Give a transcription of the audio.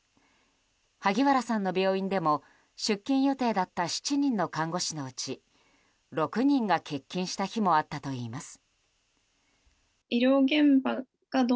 萩原さんの病院でも出勤予定だった７人の看護師のうち６人が欠勤した日もあったといいます。